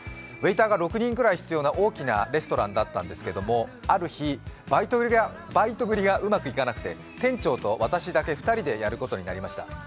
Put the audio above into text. ウエイターが６人ぐらい必要な大きなレストランだったんですけどもある日、バイト繰りがうまくいかなくて店長と私だけ、２人でやることになりました。